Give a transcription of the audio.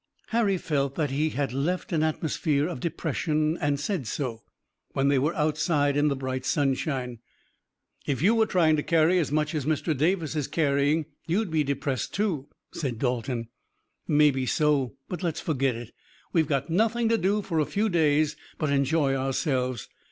Harry felt that he had left an atmosphere of depression and said so, when they were outside in the bright sunshine. "If you were trying to carry as much as Mr. Davis is carrying you'd be depressed too," said Dalton. "Maybe so, but let's forget it. We've got nothing to do for a few days but enjoy ourselves.